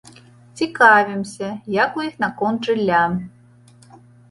Цікавімся, як у іх наконт жылля.